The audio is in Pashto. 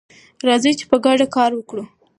راځئ چې په ګډه کار وکړو.